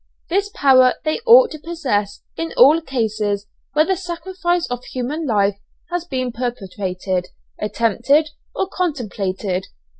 This power they ought to possess in all cases where the sacrifice of human life has been perpetrated, attempted, or contemplated.